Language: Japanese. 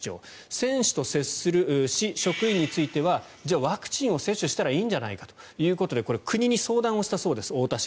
選手と接する市職員についてはじゃあ、ワクチンを接種すればいいんじゃないかということでこれ、国に太田市が相談したそうです。